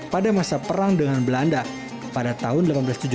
pada masa perang dengan belanda pada tahun seribu delapan ratus tujuh puluh